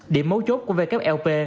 điểm mấu chốt của wlp